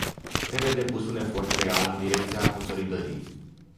Trebuie depus un efort real în direcția consolidării.